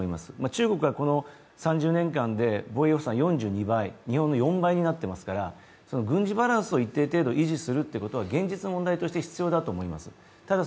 中国はこの３０年間で防衛予算が日本の４倍になっていますから、軍事バランスを一定程度維持するっていうことは現実の問題として必要だと思います。